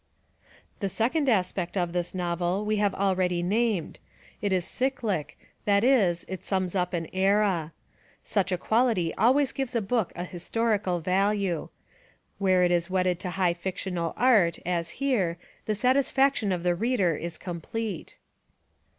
The second aspect of this novel we have already named. It is cyclic, that is, it sums up an era. Such a quality always gives a book a historical value ; where it is wedded to high fictional art, as here, the satisfac tion of the reader is complete.